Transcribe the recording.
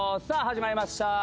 さあ始まりました。